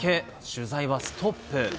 取材はストップ。